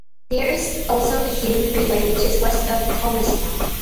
There is also the Hume Freeway which is West of Thomastown.